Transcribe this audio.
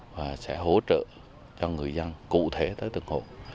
và sẽ hỗ trợ cho người dân cụ thể tới từng hộ